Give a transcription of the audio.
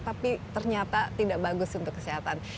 tapi ternyata tidak bagus untuk kesehatan